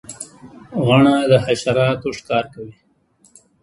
غڼه د حشراتو ښکار کوي